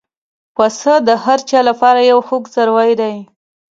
پسه د هر چا له پاره یو خوږ څاروی دی.